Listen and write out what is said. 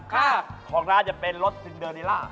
ของร้านจะเป็นรสซินเดอร์นิล่า